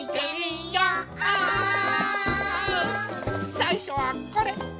さいしょはこれ！